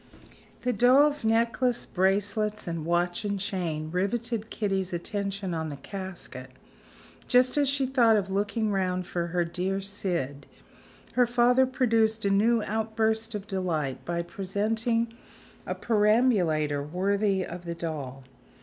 The doll's necklace, bracelets, and watch and chain, riveted Kitty's attention on the casket. Just as she thought of looking round for her dear Syd, her father produced a new outburst of delight by presenting a perambulator worthy of the doll.